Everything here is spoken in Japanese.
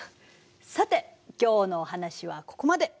さて今日のお話はここまで。